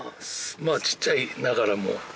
まあちっちゃいながらも。